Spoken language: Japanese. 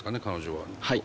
はい。